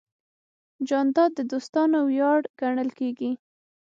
جانداد د دوستانو ویاړ ګڼل کېږي.